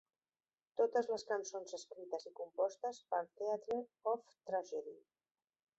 Totes les cançons escrites i compostes per "Theatre of Tragedy".